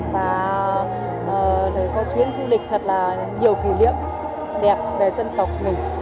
và có chuyến du lịch thật là nhiều kỷ niệm đẹp về dân tộc mình